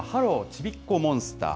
ちびっこモンスター。